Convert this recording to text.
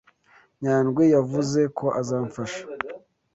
Nyandwi yavuze ko azamfasha.